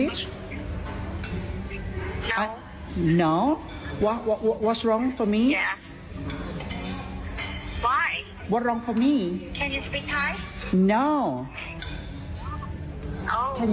สวัสดีค่ะไปจากนี้ดีท่าบริการค่ะ